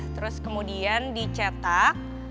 terus kemudian dicetak